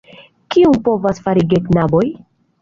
Kion povas fari geknaboj?